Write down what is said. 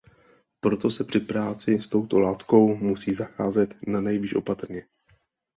Proto se při práci s touto látkou musí zacházet nanejvýš opatrně.